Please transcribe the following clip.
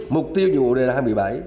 mục tiêu dụ đề là hai mươi bảy